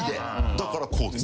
だからこうです。